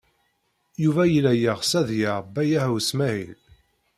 Yuba yella yeɣs ad yaɣ Baya U Smaɛil.